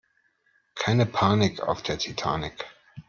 Keine Panik auf der Titanic!